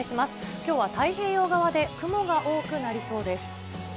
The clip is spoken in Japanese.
きょうは太平洋側で、雲が多くなりそうです。